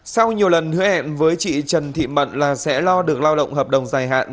sau nhiều lần hứa hẹn với chị trần thị mận là sẽ lo được lao động hợp đồng dài hạn